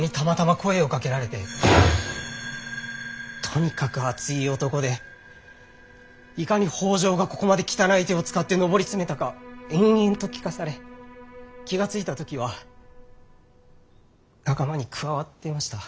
とにかく熱い男でいかに北条がここまで汚い手を使って上り詰めたか延々と聞かされ気が付いた時は仲間に加わっていました。